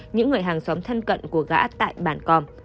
những người hàng xóm thân cận của gã tại bản còm